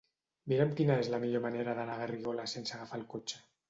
Mira'm quina és la millor manera d'anar a Garrigoles sense agafar el cotxe.